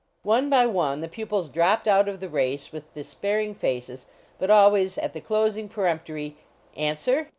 One by one the pupils dropped out of the race with despairing faces, but al ways at the closing peremptory : 14 Answer?"